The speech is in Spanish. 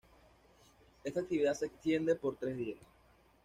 Esta actividad se extiende por tres días.